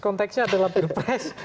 konteksnya adalah peer press